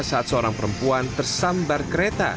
saat seorang perempuan tersambar kereta